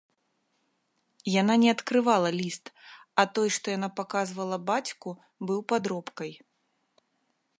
Яна не адкрывала ліст, а той, што яна паказвала бацьку, быў падробкай.